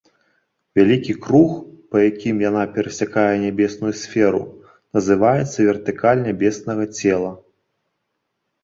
Вялікі круг, па якім яна перасякае нябесную сферу, называецца вертыкаль нябеснага цела.